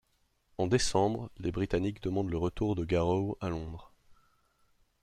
En décembre, les Britanniques demandent le retour de Garrow à Londres.